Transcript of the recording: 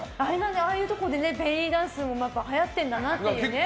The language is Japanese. ああいうところでベリーダンスはやってるんだなっていう。